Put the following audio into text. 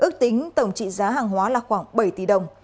ước tính tổng trị giá hàng hóa là khoảng bảy tỷ đồng